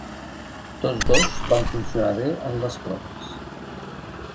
Tots dos van funcionar bé en les proves.